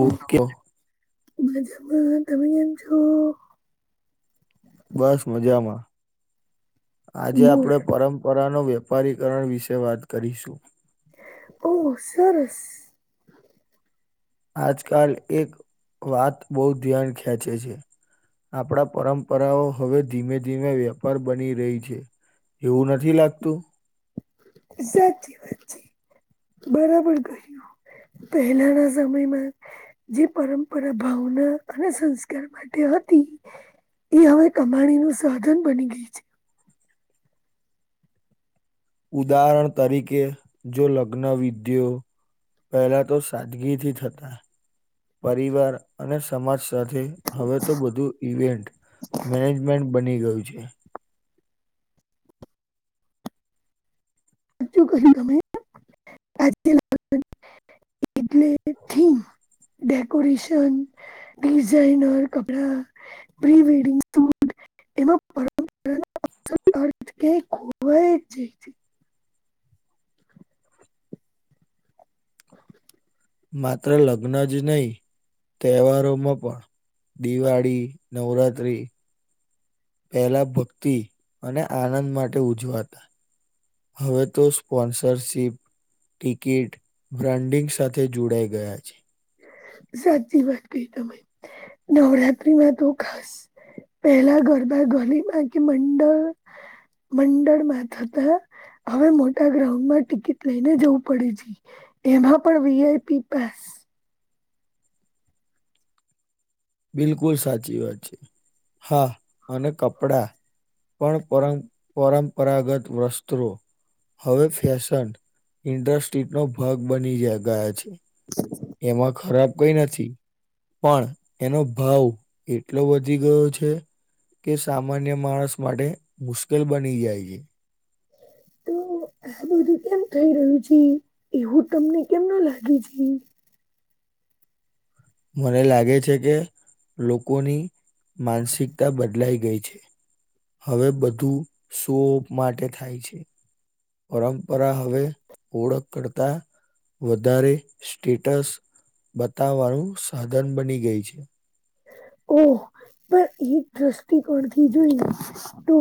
Okay. મજામાં તમે કેમ છો. બસ મજામાં આજે બોલ આપડે પરમ પરાનો વેપારીકરણ વિશે વાત કરીશું. ઓહ સરસ. આજકાલ એક વાત બહુ ધ્યાન ખેંચે છે. આપણા પરંપરાઓ હવે ધીમે ધીમે વેપાર બની રહી છે. એવું નથી લાગતું. સાચી વાતચી બરાબર કહ્યું. પહેલાના સમયમાં જે પરંપરા ભાવના અને સંસ્કાર માટે હતી એ હવે કમાણી નું સાધન બની ગઈ છે. ઉદાહરણ તરીકે જો લગ્ન વિધિઓ પહેલા તો સાદગીથી થતા પરિવાર અને સમાજ સાથે હવે તો બધું ઇવેન્ટ મેનેજમેન્ટ બની ગયું છે. સાચું કહું તમે એટલે ડેકોરેશન ડિઝઇનર કપડા પ્રી વડિંગ સુંટ એમાં પરંપરા કે [unintelligible] માત્ર લગ્ન જ નહીં તહેવારોમાં પણ દિવાળી નવરાત્રી પહેલા ભક્તિ અને આનંદ માટે ઉજવાતા હવે તો સ્પોન્સરશીપ ટિકિટ બ્રાન્ડિંગ સાથે જોડાઈ ગયા છે. સાચી વાત કહી તમે નવરાત્રીમાં તો ખાસ પહેલા ગરબા ગલીમાં કે મંડળ મંડળમાં થતા હવે મોટા ગ્રાઉન્ડમાં ટિકિટ લઈને જવું પડે છે. એમાં પણ વીઆઈપી પાસ બિલકુલ સાચી વાત છે, હા અને કપડા પણ પર પરંપરાગત વસ્ત્રો હવે ફેશન ઇન્ડસ્ટ્રી નો ભાગ બની જ ગયા છે. એમાં ખરાબ કઈ નથી. પણ એનો ભાવ એટલો વધી ગયો છે. કે સામાન્ય માણસ માટે મુશ્કેલ બની જાય છે. તો [inaudible] આ બધું કેમ થઈ રહ્યું છે, એવું તમને કેમનું લાગે છે. મને લાગે છે, કે લોકોની માનસિકતા બદલાઈ ગઈ છે. હવે બધું શો ઓપ માટે થાય છે. પરંપરા હવે ઓળખ કરતા વધારે સ્ટેટસ બતાવવાનું સાધન બની ગઈ છે. ઓ પણ એ દ્રષ્ટિકણ થી જોઈ તો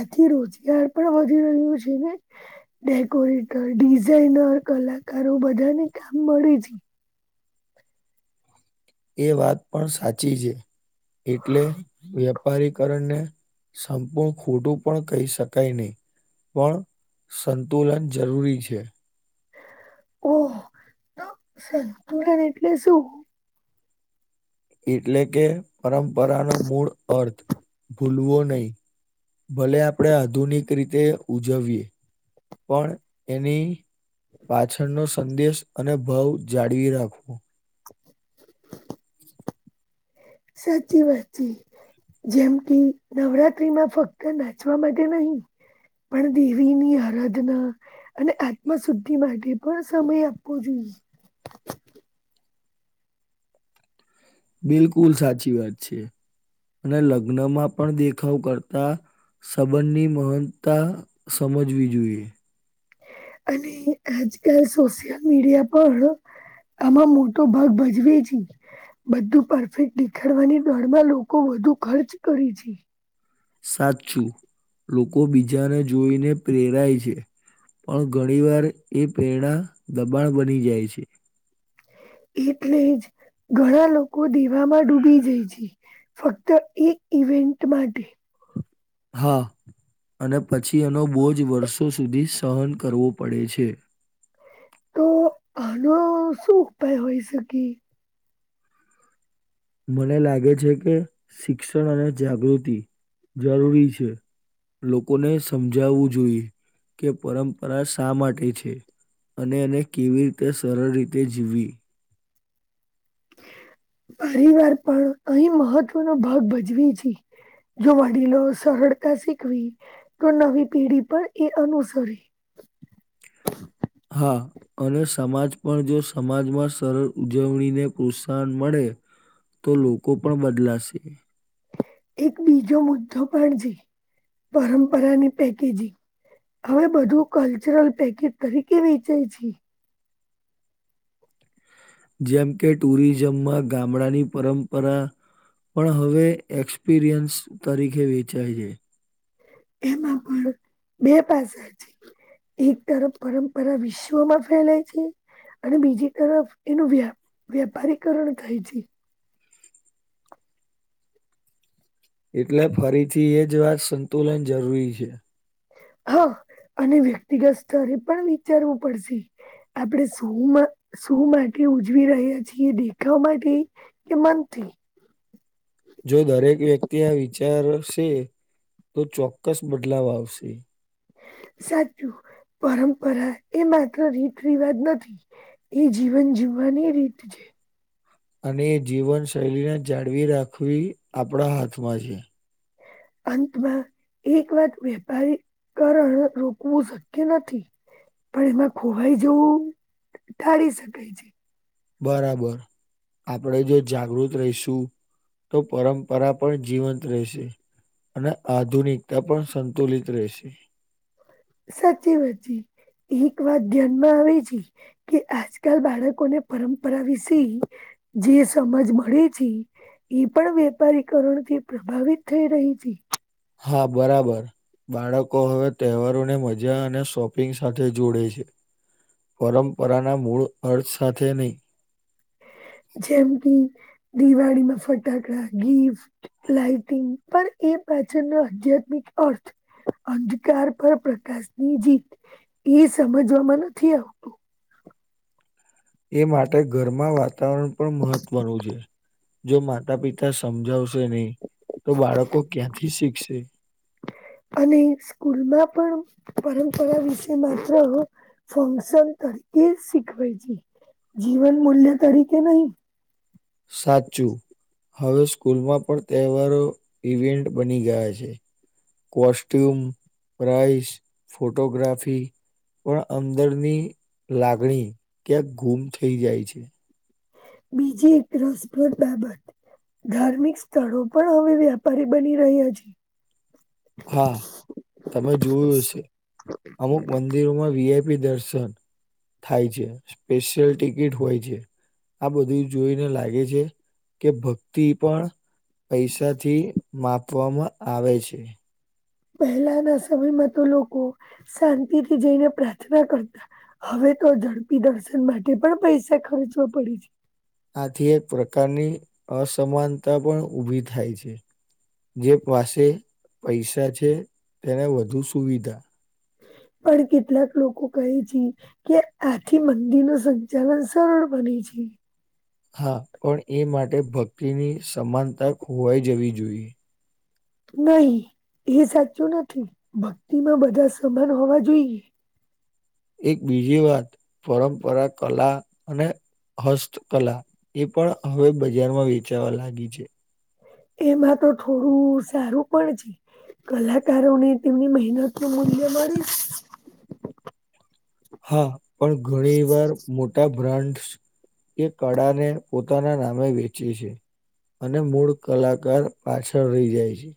એથી રોજગાર પણ વધી રહ્યો છે ને. ડેકોરેટર ડિઝઇનર કલાકારો બધાને કામ મળે છે. એ વાત પણ સાચી છે, એટલે વેપારીકરણને સંપૂર્ણ ખોટું પણ કહી શકાય નહી. પણ સંતુલન જરૂરી છે. ઓ તો સંતુ એટલે શું એટલે કે પરંપરાનો મૂળ અર્થ ભૂલવો નહી ભલે આપણે આધુનિક રીતે ઉજવીએ પણ એની પાછળનોો સંદેશ અને ભાવ જાળવી રાખવો સાચી વાતી જેમ કે નવરાત્રીમાં ફક્ત નાચવા માટે નહી. પણ દેવીની આરાધના અને આત્મ શુદ્ધિ માટે પણ સમય આપવો જોઈએ બિલકુલ સાચી વાત છે અને લગ્નમાં પણ દેખાવ કરતા સંબંધની મહાનતા સમજવી જોઈએ. અને આજકાલ સોશિયલ મીડિયા પણ આમાં મોટો ભાગ ભજવે છે. બધું પરફેક્ટ દેખાડવાની દોડમાં લોકો વધુ ખર્ચ કરીે છે. સાચું લોકો બીજાને જોઈને પ્રેરાય છે. પણ ઘણી વાર એ પ્રેરણા દબાણ બની જાય છે. એટલે જ ઘણા લોકો દેમાં ડૂબી જાય છે. ફક્ત એ ઇવેન્ટ માટે હા અને પછી એનો બહુ જ વર્ષો સુધી સહન કરવો પડે છે. તો આનો શું ઉપાય હોય શકી મને લાગે છે કે શિક્ષણ અને જાગૃતિ જરૂરી છે. લોકોને સમજાવવું જોઈએ કે પરંપરા શા માટે છે. અને એને કેવી રીતે સરળ રીતે જીવવી પરિવાર પણ અહી મહત્વનોો ભાગ ભજવી છી. જો વડીલો સરળતા શીખવી તો નવી પેઢી પણ એ અનુસરી હા અને સમાજ પણ જો સમાજમાં સરળ ઉજવણીને પ્રોત્સાહન મળે તો લોકો પણ બદલાશે એક બીજો મુદ્દો પણ છે. પરંપરાની પેકેજિંગ હવે બધું કલ્ચરલ પેકેજ તરીકે વેચે છે. જેમ કે ટુરિઝમમાં ગામડાની પરંપરા પણ હવે એક્સપિરિયન્સ તરીકે વેચાય છે. એમાં પણ બે પાસા છે. એક તરફ પરંપરા વિશ્વમાં ફેલાય છે. અને બીજી તરફ એનું વ્યા વ્યાપારીકરણ થાય છે. એટલે ફરીથી એ જ વાત સંતુલન જરૂરી છે. હા અને વ્યક્તિગત સ્તરે પણ વિચારવું પડશે. આપણે શું માટે ઉજવી રહ્યા છીએ દેખાવ માટે એમનથી જો દરેક વ્યક્તિ આ વિચારશે તો ચોક્કસ બદલાવ આવશે. સાચું પરંપરા એ માત્ર રીત રિવાજ નથી. એ જીવન જીવવાની રીત છે. અને એ જીવન શૈલીને જાળવી રાખવી આપણા હાથમાં છે. અંતમાં એક વાત વેપારી કરણ રોકવું શક્ય નથી પણ એમાં ખોવાઈ જેવું ટાળી શકેાય છે. બરાબર આપણે જો જાગૃત રહીશું તો પરંપરા પણ જીવંત રહેશે. અને આધુનિકતા પણ સંતુલિત રહેશે સાચી વાતચી એક વાત ધ્યાનમાં આવે છે. કે આજકાલ બાળકોને પરંપરા વિશે જે સમજ મળે છે. એ પણ વેપારીકરણ થી પ્રભાવિત થઈ રહી હતી. હા બરાબર બાળકો હવે તહેવારોને મજા અને શોપિંગ સાથે જોડે છે. પરંપરાના મૂળ અર્થ સાથે નહીં જેમ કે દિવાળીમાં ફટાકડા ગીફ્ટ લાઈટિંગ પણ એ પાછળનો આધ્યાત્મિક અર્થ અંધકાર પર પ્રકાશની જીત એ સમજવામાં નથી આવતું એ માટે ઘરમાં વાતાવરણ પણ મહત્વનું છે. જો માતા પિતા સમજાવશે નહી તો બાળકો ક્યાંથી શીખશે અને સ્કૂલમાં પણ પરંપરા વિશે માત્ર ફંક્શન તરીકે શીખવાય છે. જીવન મૂલ્ય તરીકે નહી. સાચું હવે સ્કૂલમાં પણ તહેવારો ઇવેન્ટ બની ગયા છે. કોસ્ટ્યુમ, પ્રાઇસ, ફોટોગ્રાફી પણ અંદરની લાગણી ક્યાંક ગુમ થઈ જાય છે. બીજી એક રસપ્રદ બાબત ધાર્મિક સ્થળો પણ હવે વ્યાપારી બની રહ્યા છે. હા તમે જોયું હશે અમુક મંદિર મંદિરોમાં વીઆઈપી દર્શન થાય છે. સ્પેશિયલ ટિકિટ હોય છે. આ બધી જોઈને લાગે છે. કે ભક્તિ પણ પૈસાથી માપવામાં આવે છે. પહેલાના સમયમાં તો લોકો શાંતિ થી જઈને પ્રાર્થના કરતા હવે તો ઝડપી દર્શન માટે પણ પૈસા ખર્ચવા પડે છે. આથી એક પ્રકારની અસમાનતા પણ ઊભી થાય છે. જેની પાસે પૈસા છે. તેને વધુ સુવિધા પણ કેટલાક લોકો કહે છે. કે આથી મંદિર નું સંચાલન સરળ બને છે. હા પણ એ માટે ભક્તિની સમાનતા ખોવાઈ જવી જોઈએ. નહી એ સાચું નથી ભક્તિ માં બધા સમાન હોવા જોઈએ એક બીજી વાત પરંપરા કલા અને હસ્તકલા એ પણ હવે બજારમાં વેચાવા લાગી છે. એમાં તો થોડું સારું પણ છે. કલાકારોને તેમની મહેનત નું મૂલ્ય મળે હા પણ ઘણી વાર મોટા બ્રાન્ડસ એ કળા ને પોતાના નામે વેચે છે. અને મૂળ કલાકાર પાછળ રહી જાય છે.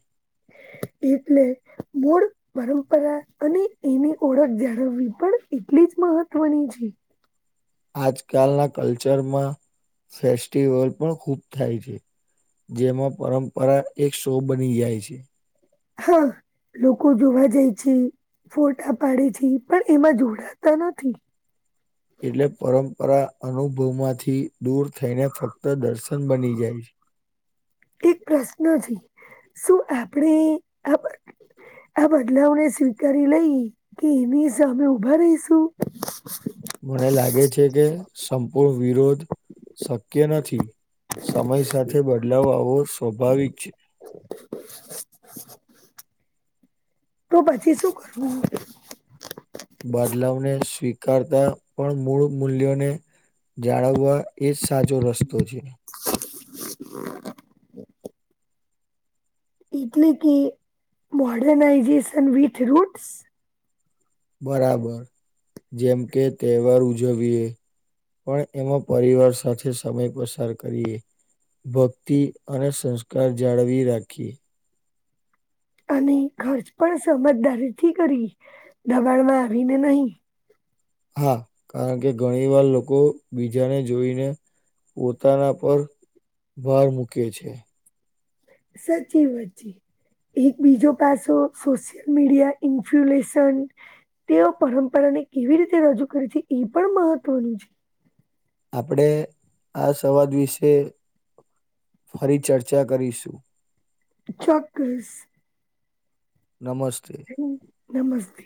એટલે મૂળ પરંપરા અને એની ઓળખ જાળવવી પણ એટલી જ મહત્વની છે. આજકાલના કલ્ચરમાં ફેસ્ટિવલ પણ ખુબ થાય છે. જેમાં પરંપરા એક શો બની જાય છે. હા લોકો જોવા જાય છે ફોટા પાડે છે પણ એમાં જોડાતા નથી એટલે પરંપરા અનુભવમાંથી દૂર થઈને ફક્ત દર્શન બની જાય છે એક પ્રશ્ન છે શું આપણે આ બદલાવને સ્વીકારી લઈ કે એની સામે ઉભા રહીશું મને લાગે છે કે સંપૂર્ણ વિરોધ શક્ય નથી સમય સાથે બદલાવ આવવો સ્વાભાવિક છે તો પછી શું કરવું બદલાવને સ્વીકારતા પણ મૂળ મૂલ્યોને જાળવવા એજ સાચો રસ્તો છે હ એટલે કે મોડનાઈઝેશન વિથ રૂટસ બરાબર જેમ કે તહેવાર ઉજવીએ પણ એમાં પરિવાર સાથે સમય પસાર કરીએ ભક્તિ અને સંસ્કાર જાળવી રાખીએ અને ખર્ચ પણ સમજદારીથી કરી દબાણમાં આવીને નહી હા કારણ કે ઘણી વાર લોકો બીજાને જોઈને પોતાના પર ભાર મૂકે છે સાચી વાચી એક બીજો પાસો સોશિયલ મીડિયા ઇન્ફ્યુલેશન તેઓ પરંપરાને કેવી રીતે રજૂ કરે છે એ પણ મહત્વનું છે આપણેે આ સંવાદ વિશે ફરી ચર્ચા કરીશું ચોક્કસ નમસ્તે હ નમસ્તે